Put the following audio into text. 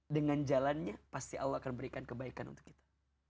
dengan jalannya pasti allah akan berikan kebaikan untuk kita